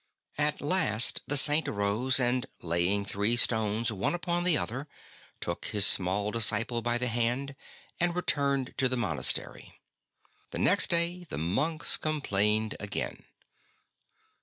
At last the Saint arose, and laying three stones one upon the other, took his small disciple by the hand and returned to the monastery. The next day the monks complained again.